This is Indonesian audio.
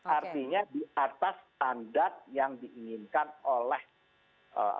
artinya di atas standar yang diinginkan oleh pemerintah